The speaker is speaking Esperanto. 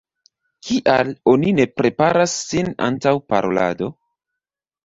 Kial oni ne preparas sin antaŭ parolado?